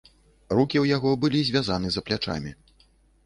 Рукі ў яго былі звязаны за плячамі.